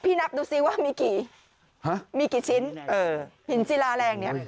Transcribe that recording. นับดูซิว่ามีกี่มีกี่ชิ้นหินศิลาแรงเนี่ย